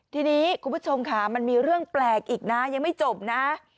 ทีนี้คุณผู้ชมค่ะมันมีเรื่องแปลกอีกนะยังไม่จบนะ